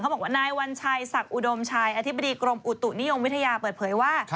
บอกว่านายวัญชัยศักดิ์อุดมชัยอธิบดีกรมอุตุนิยมวิทยาเปิดเผยว่า